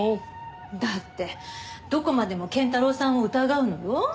だってどこまでも謙太郎さんを疑うのよ。